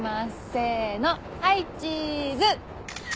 せーのはいチーズ！